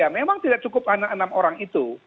memang tidak cukup enam orang itu